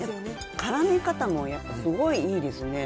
からみ方もやっぱりすごいいいですよね。